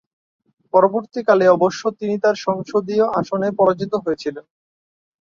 পরবর্তীকালে অবশ্য তিনি তার সংসদীয় আসনে পরাজিত হয়েছিলেন।